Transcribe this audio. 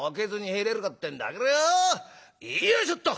よいしょっと！